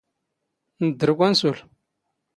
ⵏⴷⴷⵔ ⵓⴽⴰⵏ ⵙⵓⵍ.